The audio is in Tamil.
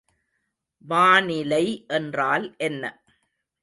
வானிலை என்றால் என்ன?